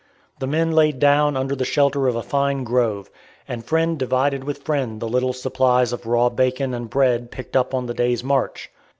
The men laid down under the shelter of a fine grove, and friend divided with friend the little supplies of raw bacon and bread picked up on the day's march.